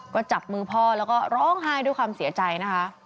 ก็จับมือพ่อแล้วก็ร้องไห้ด้วยความเสียใจนะคะ